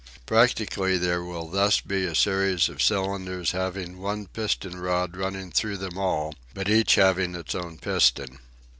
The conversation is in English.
Practically there will thus be a series of cylinders having one piston rod running through them all, but each having its own piston.